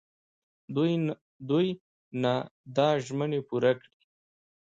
دوی نه دا ژمني پوره کړي.